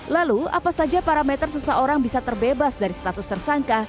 lalu apa saja parameter seseorang bisa terbebas dari status tersangka